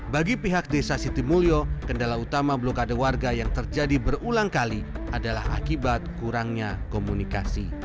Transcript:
bagi pihak desa sitimulyo kendala utama blokade warga yang terjadi berulang kali adalah akibat kurangnya komunikasi